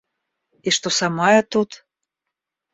И что сама я тут?